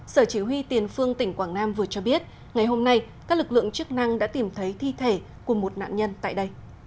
sở chỉ huy tiền phương tỉnh quảng nam vừa cho biết ngày hôm nay các lực lượng chức năng đã tìm thấy thi thể của một nạn nhân tại đây